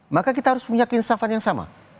maka kita harus meyakinkan yang sama